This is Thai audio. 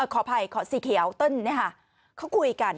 ขออภัยขอสีเขียวเติ้ลเขาคุยกัน